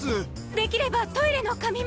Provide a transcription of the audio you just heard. できればトイレの紙も。